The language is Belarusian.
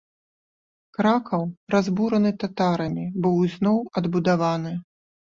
Кракаў, разбураны татарамі, быў ізноў адбудаваны.